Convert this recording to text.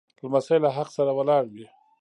لمسی له حق سره ولاړ وي.